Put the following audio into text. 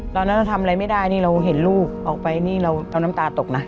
ตอนนั้นเราทำอะไรไม่ได้นี่เราเห็นลูกออกไปนี่เราน้ำตาตกนะ